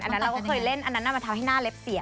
เราก็เคยเล่นอันนั้นมาทำให้หน้าเล็บเสีย